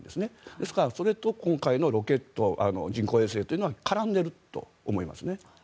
ですからそれと今回のロケット人工衛星というのは絡んでいると思いますね。